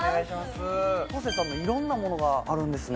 ＫＯＳＥさんのいろんなものがあるんですね